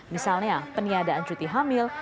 misalnya peniadaan cuti hamil